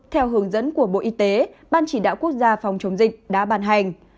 theo hướng dẫn của bộ y tế ban chỉ đạo quốc gia phòng chống dịch đã bàn hành